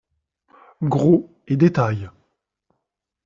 Gros et détail.